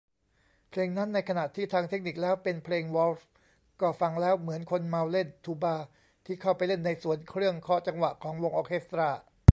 เพลงนั้น ในขณะที่ทางเทคนิคแล้วเป็นเพลงวอลทซ์ ก็ฟังแล้วเหมือนคนเมาเล่นทูบาที่เข้าไปเล่นในส่วนเครื่องเคาะจังหวะของวงออร์เคสตร้า